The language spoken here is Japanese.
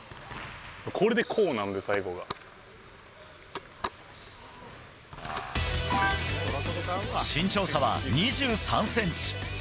これでこうなんですよ、身長差は２３センチ。